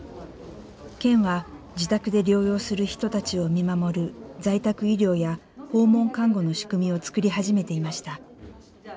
県は自宅で療養する人たちを見守る在宅医療や訪問看護の仕組みを作り始めていました。